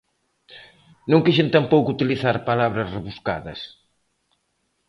Non quixen tampouco utilizar palabras rebuscadas.